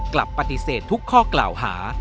กลับปฏิเสธทุกข้อกล่าวหา